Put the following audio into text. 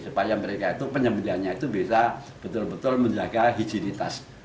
supaya penyembeliannya itu bisa betul betul menjaga hijinitas